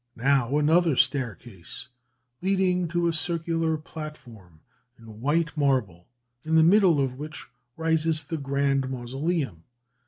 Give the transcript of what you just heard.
Now another staircase, leading to a circular platform in white marble, in the middle of which rises the grand mausoleum.